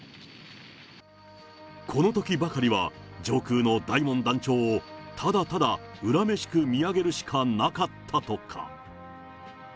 このときばかりは、上空の大門団長を、ただただ恨めしく見上げるしかなかったとか。